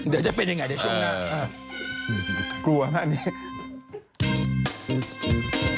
เดี๋ยวจะเป็นยังไงเดี๋ยวช่วงหน้า